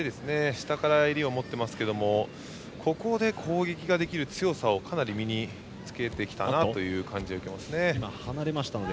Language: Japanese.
下から襟を持っていますがここで、攻撃ができる強さをかなり身につけてきたなという感じを受けますね。